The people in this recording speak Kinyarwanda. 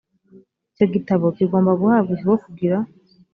icyo gitabo kigomba guhabwa ikigo kugira